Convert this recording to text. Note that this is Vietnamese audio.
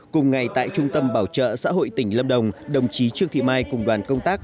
cùng ngày tại trung tâm bảo trợ xã hội tỉnh lâm đồng đồng chí trương thị mai cùng đoàn công tác